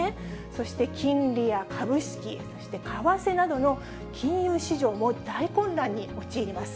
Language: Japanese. そして金利や株式、そして為替などの金融市場も大混乱に陥ります。